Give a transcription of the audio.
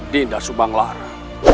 dinda subang lara